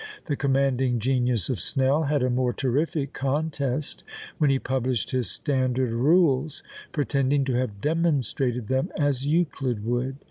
The commanding genius of Snell had a more terrific contest when he published his "Standard Rules," pretending to have demonstrated them as Euclid would.